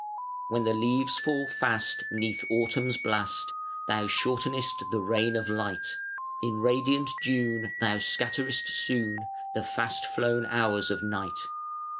When the leaves fall fast, 'neath Autumn's blast, Thou shortenest the reign of light. In radiant June Thou scatterest soon The fast flown hours of night.